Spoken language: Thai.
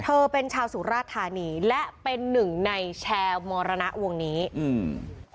เธอเป็นชาวสุราธานีและเป็นหนึ่งในแชร์มรณะวงนี้อืม